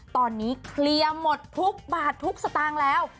ตอนนี้เคลียร์หมดทุกบาททุกสตางค์แล้ว